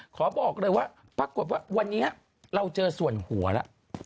ขอบอกเลยว่าปรากฏว่าวันนี้เราเจอส่วนหัวแล้ว